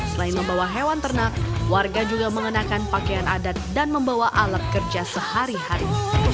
selain membawa hewan ternak warga juga mengenakan pakaian adat dan membawa alat kerja sehari hari